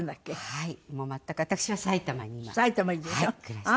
はい。